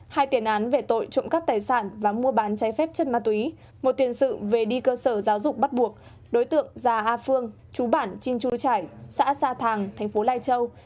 hai tiền án về tội trụng cắp tài sản và mua bán cháy phép chất ma túy một tiền sự về đi cơ sở giáo dục bắt buộc đối tượng già a phương chú bản chin chu trải xã sa thàng tp lai châu